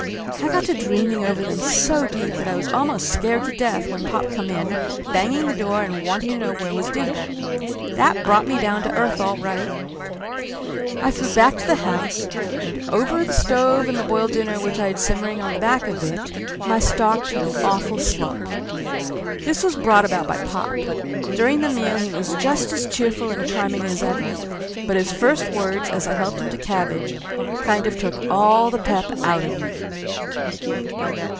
I got to dreaming over them so deep that I was almost scared to death when pop come in, banging the door and wanting to know where was dinner. That brought me down to earth all right. I flew back to the house, and over the stove and the boiled dinner which I had simmering on the back of it my stock took a awful slump. This was brought about by pop. During the meal he was just as cheerful and charming as ever, but his first words, as I helped him to cabbage, kind of took all the pep out of me.